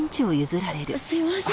あっすいません。